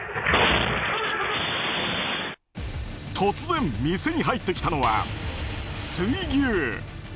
突然、店に入ってきたのは水牛。